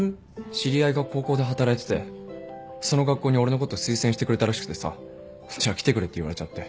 知り合いが高校で働いててその学校に俺のこと推薦してくれたらしくてさじゃあ来てくれって言われちゃって。